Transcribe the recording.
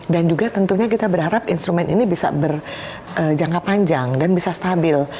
dan juga tentunya kita berharap instrumen ini bisa berjangka panjang dan bisa stabil